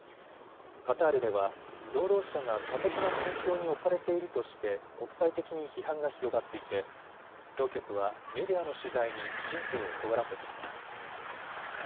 カタールでは労働者が過酷な環境に置かれているとして国際的に批判が広がっていて当局はメディアの取材に神経をとがらせています。